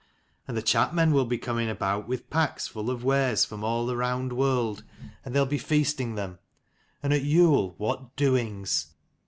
"And the chapmen will be coming about, with packs full of wares from all the round world, and they'll be feasting them. And at Yule, what doings!